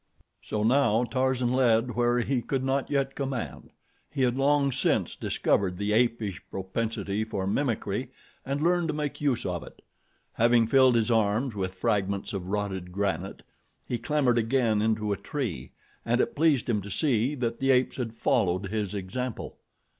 So now Tarzan led where he could not yet command. He had long since discovered the apish propensity for mimicry and learned to make use of it. Having filled his arms with fragments of rotted granite, he clambered again into a tree, and it pleased him to see that the apes had followed his example.